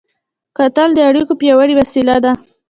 کتل د اړیکو پیاوړې وسیله ده